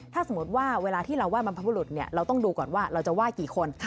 ถ้าสมมุติว่าเวลาที่เราไห้บรรพบุรุษเราต้องดูก่อนว่าเราจะไหว้กี่คน